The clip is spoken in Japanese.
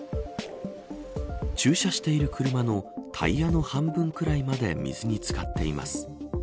駐車している車のタイヤの半分くらいまで水に漬かっています。